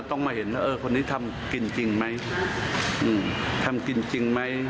ต้องมาเห็นว่าเออคนนี้ทำกินจริงไหมอืมทำกินจริงไหม